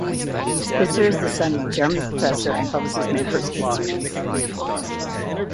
Spitzer is the son of the German professor and publicist Manfred Spitzer.